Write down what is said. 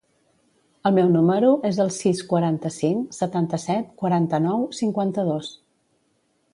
El meu número es el sis, quaranta-cinc, setanta-set, quaranta-nou, cinquanta-dos.